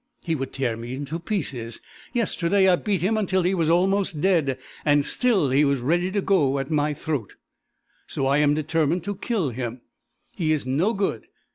He would tear me into pieces. Yesterday I beat him until he was almost dead, and still he was ready to go at my throat. So I am determined to kill him. He is no good.